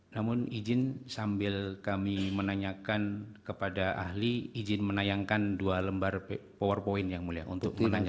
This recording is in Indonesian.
namun izin sambil kami menanyakan kepada ahli izin menayangkan dua lembar power point yang mulia untuk menanggapi